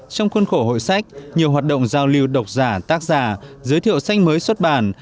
trong khuôn khổ hội sách nhiều hoạt động giao lưu độc giả tác giả giới thiệu sách mới xuất bản